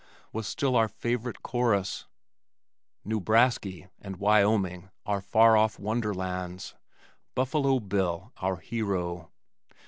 was still our favorite chorus, "Newbrasky" and Wyoming our far off wonderlands, Buffalo Bill our hero.